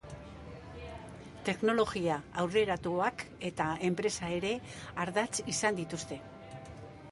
Teknologia aurreratuak eta enpresa ere ardatz izan dituzte.